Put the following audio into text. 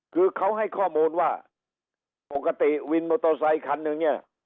คือเขาให้ข้อมูลว่าปกติวินโมเตอร์ไซล์คันหนึ่ง